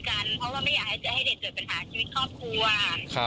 โดยจะอ้างว่ามีคนที่สามมันก็เป็นส่วนที่เกิดมาจากภรรยาเค้า